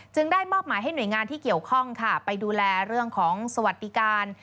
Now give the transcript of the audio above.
ได้มอบหมายให้หน่วยงานที่เกี่ยวข้องค่ะไปดูแลเรื่องของสวัสดิการ